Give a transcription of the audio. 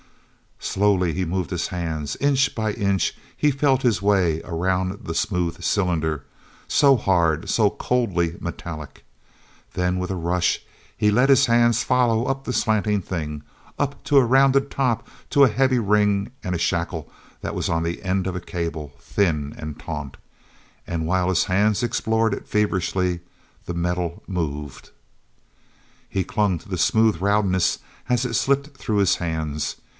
Slowly he moved his hands. Inch by inch he felt his way around the smooth cylinder, so hard, so coldly metallic. Then, with a rush, he let his hands follow up the slanting thing, up to a rounded top, to a heavy ring and a shackle that was on the end of a cable, thin and taut. And, while his hands explored it feverishly, the metal moved! e clung to the smooth roundness as it slipped through his hands.